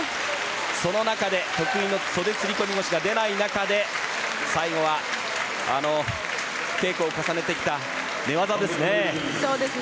その中で袖釣り込み腰が出ない中で最後は稽古を重ねてきた寝技ですね。